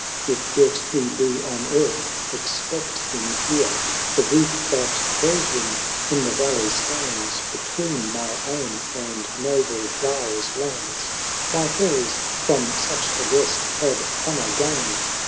If yet he be on earth, expect him here; The roof that held him in the valley .stands 680 Between my own and noble Lara's lands; My halls from such a guest had honour gained.